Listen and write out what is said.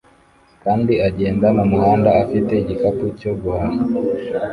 kandi agenda mumuhanda afite igikapu cyo guhaha